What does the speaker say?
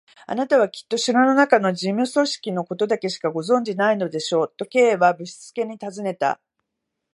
「あなたはきっと城のなかの事務組織のことだけしかご存じでないのでしょう？」と、Ｋ はぶしつけにたずねた。